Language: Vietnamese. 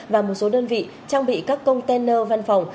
và một số đơn vị trang bị các container văn phòng